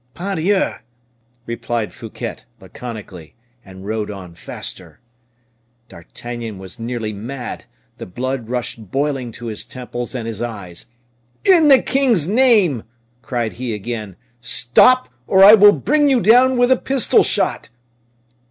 "Pardieu!" replied Fouquet, laconically; and rode on faster. D'Artagnan was nearly mad; the blood rushed boiling to his temples and his eyes. "In the king's name!" cried he again, "stop, or I will bring you down with a pistol shot!"